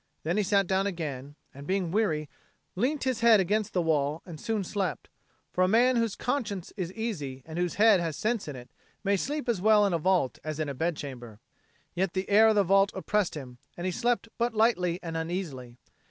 Then he sat down again, and, being weary, leant his head against the wall and soon slept; for a man whose conscience is easy and whose head has sense in it may sleep as well in a vault as in a bedchamber. Yet the air of the vault oppressed him, and he slept but lightly and uneasily.